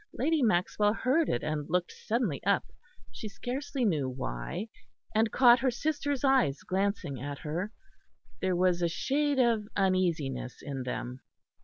Lady Maxwell heard it, and looked suddenly up; she scarcely knew why, and caught her sister's eyes glancing at her. There was a shade of uneasiness in them.